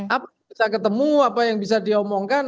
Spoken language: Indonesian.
apa yang bisa ketemu apa yang bisa diomongkan